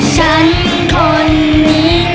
ฉันคนนี้